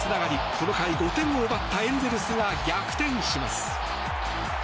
この回５点を奪ったエンゼルスが逆転します。